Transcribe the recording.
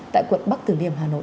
tại quận bắc tử liêm hà nội